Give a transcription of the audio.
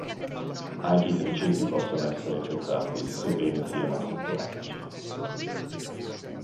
Anche i criceti possono essere infettati, sebbene siano asintomatici.